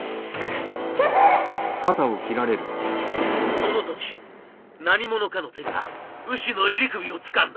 その時何者かの手がウシの襟首をつかんだ！